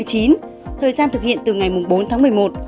thời gian thực hiện từ ngày bốn tháng một mươi một